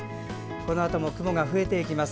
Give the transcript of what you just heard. このあとも雲が増えていきます。